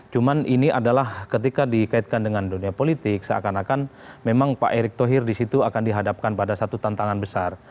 cuman ini adalah ketika dikaitkan dengan dunia politik seakan akan memang pak erick thohir di situ akan dihadapkan pada satu tantangan besar